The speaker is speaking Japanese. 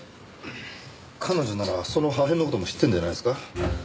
彼女ならその破片の事も知ってるんじゃないですか？